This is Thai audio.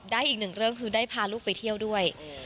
อีกหนึ่งเรื่องคือได้พาลูกไปเที่ยวด้วย